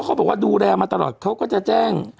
เขาบอกว่าดูแลมาตลอดเขาก็จะแจ้ง